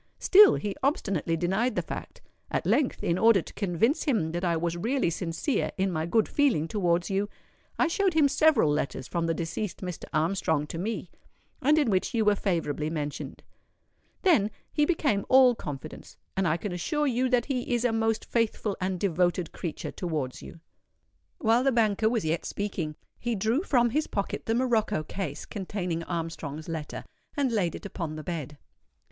Still he obstinately denied the fact. At length, in order to convince him that I was really sincere in my good feeling towards you, I showed him several letters from the deceased Mr. Armstrong to me, and in which you were favourably mentioned. Then he became all confidence; and I can assure you that he is a most faithful and devoted creature towards you." While the banker was yet speaking, he drew from his pocket the morocco case containing Armstrong's letter, and laid it upon the bed.